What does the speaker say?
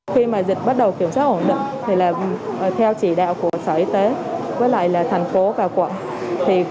khi mà dịch bắt đầu kiểm soát ổn định thì theo chỉ đạo của sở y tế với lại là thành phố và quận